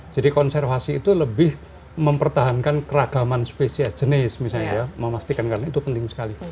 jadi konservasi itu lebih mempertahankan keragaman spesies jenis misalnya ya memastikan karena itu penting sekali